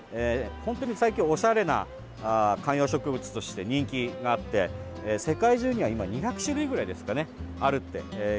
本当に最近、おしゃれな観葉植物として人気があって世界中には今、２００種類ぐらいあるっていわれてます。